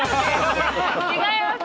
違います。